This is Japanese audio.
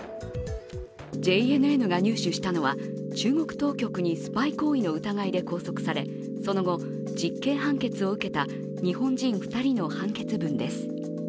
ＪＮＮが入手したのは中国当局にスパイ行為の疑いで拘束されその後、実刑判決を受けた日本人２人の判決文です。